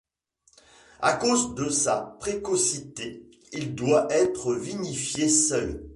À cause de sa précocité, il doit être vinifié seul.